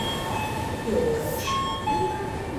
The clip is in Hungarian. Jó rozs.